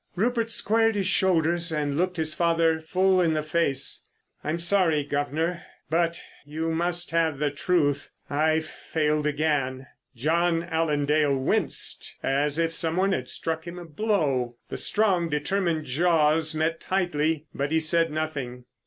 Rupert squared his shoulders and looked his father full in the face. "I'm sorry, guv'nor, but you must have the truth. I've failed again." John Allen Dale winced as if some one had struck him a blow. The strong, determined jaws met tightly, but he said nothing.